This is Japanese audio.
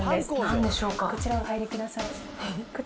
こちらお入りください。